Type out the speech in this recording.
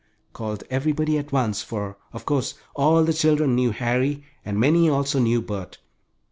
called everybody at once, for, of course, all the children knew Harry and many also knew Bert.